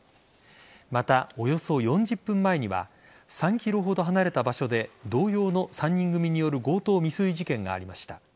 また、およそ４０分前には３ｋｍほど離れた場所で同様の３人組による強盗未遂事件がありました。